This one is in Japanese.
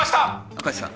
明石さん